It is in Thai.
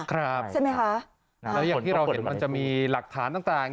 ครับใช่ไหมคะแล้วอย่างที่เราเห็นมันจะมีหลักฐานต่าง